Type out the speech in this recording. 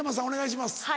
お願いします。